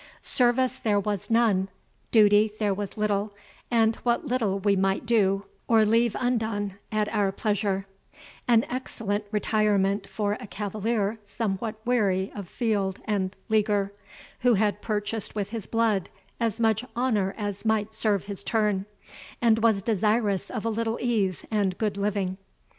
Service there was none, duty there was little; and that little we might do, or leave undone, at our pleasure; an excellent retirement for a cavalier somewhat weary of field and leaguer, who had purchased with his blood as much honour as might serve his turn, and was desirous of a little ease and good living."